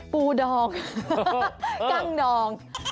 ปูดองกั้งดอง